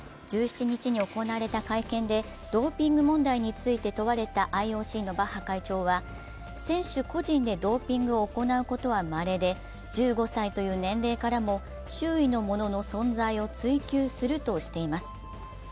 １７日に行われた会見でドーピング問題について問われたＩＯＣのバッハ会長は、選手個人でドーピングを行うことはまれで１５歳という年齢からも周囲の者の存在を追及するとしています。